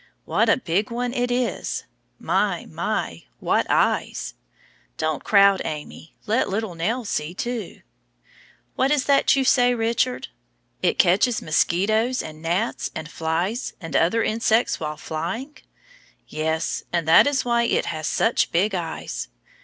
What a big one it is! My! my! what eyes! Don't crowd, Amy; let little Nell see too. What is that you say, Richard? "It catches mosquitoes and gnats and flies and other insects while flying." Yes, and that is why it has such big eyes.